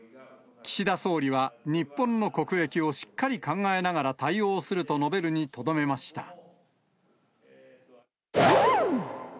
岸田総理は、日本の国益をしっかり考えながら対応すると述べるにとどめました。